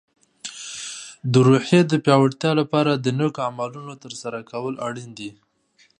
د روحیې د پیاوړتیا لپاره د نیکو عملونو ترسره کول اړین دي.